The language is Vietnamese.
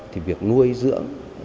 thì việc nuôi dưỡng